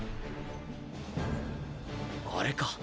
あれか。